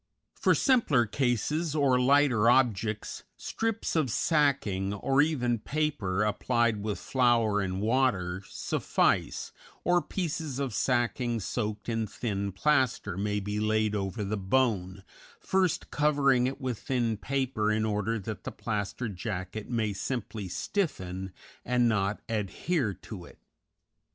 For simpler cases or lighter objects strips of sacking, or even paper, applied with flour and water, suffice, or pieces of sacking soaked in thin plaster may be laid over the bone, first covering it with thin paper in order that the plaster jacket may simply stiffen and not adhere to it.